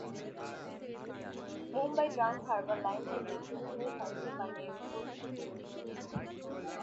Mumbai trans harbour line Thane থেকে শুরু হয়ে ভাসি/নেরুল পর্যন্ত বিস্তৃত।